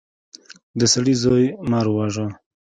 د سړي زوی مار وواژه.